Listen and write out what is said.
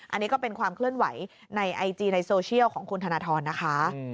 อันนี้ก็เป็นความเคลื่อนไหวในไอจีในโซเชียลของคุณธนทรนะคะ